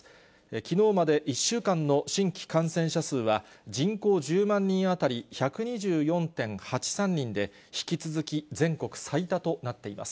きのうまで１週間の新規感染者数は、人口１０万人当たり１２４．８３人で、引き続き全国最多となっています。